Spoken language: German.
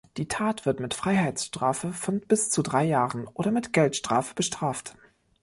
Die Tat wird mit Freiheitsstrafe von bis zu drei Jahren oder mit Geldstrafe bestraft.